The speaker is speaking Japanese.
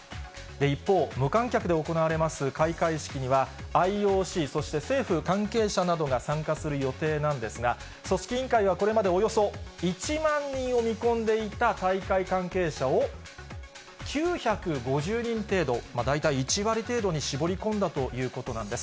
一方、無観客で行われます開会式には、ＩＯＣ、そして政府関係者などが参加する予定なんですが、組織委員会はこれまでおよそ１万人を見込んでいた大会関係者を、９５０人程度、大体１割程度に絞り込んだということなんです。